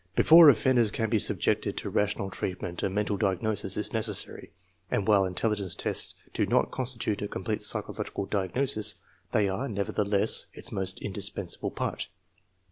Before offenders can be subjected to rational. treat ment a mental diagnosis is necessary, and while intelligence tests do not constitute a complete psychological diagnosis, they arc, nevertheless, its most indispensable part.